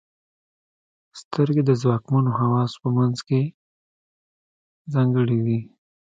• سترګې د ځواکمنو حواسو په منځ کې ځانګړې دي.